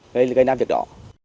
gây ra việc đó